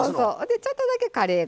ちょっとだけカレー粉。